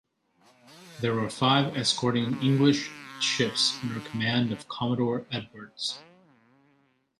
There were five escorting English ships under command of Commodore Edwards.